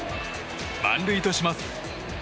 満塁とします。